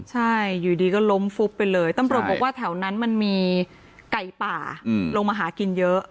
ใช่อยู่ดีก็ล้มฟุบไปเลยตำรวจบอกว่าแถวนั้นมันมีไก่ป่าลงมาหากินเยอะ